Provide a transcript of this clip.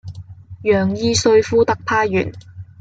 楊義瑞副特派員